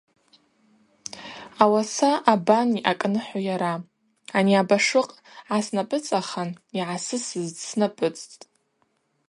Ауаса, абан йъакӏныхӏу йара, ани абашлыкъ гӏаснапӏыцӏахан йгӏасысыз дснапӏыцӏцӏтӏ.